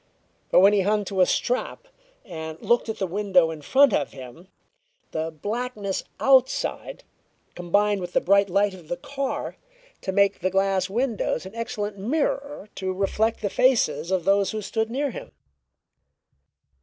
But when he hung to a strap and looked at the window in front of him, the blackness outside combined with the bright light of the car to make the glass of the windows an excellent mirror to reflect the faces of those who stood near him.